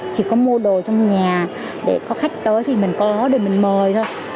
chỉ có mua đồ trong nhà để có khách tới thì mình có để mình mời thôi